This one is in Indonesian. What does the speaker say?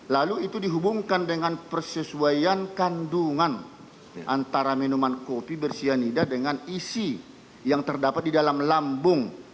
lalu itu dihubungkan dengan persesuaian kandungan antara minuman kopi bersianida dengan isi yang terdapat di dalam lambung